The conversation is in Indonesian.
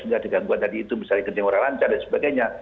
sehingga ada gangguan tadi itu misalnya genting orang lancar dan sebagainya